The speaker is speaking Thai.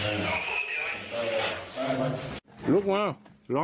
ให้แข็งวิ่งมา